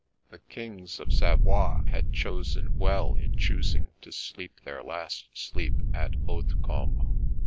The Kings of Savoie had chosen well in choosing to sl«ep their last sleep at Hautecombe.